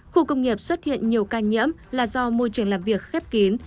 khu công nghiệp xuất hiện nhiều ca nhiễm là do môi trường làm việc khép kín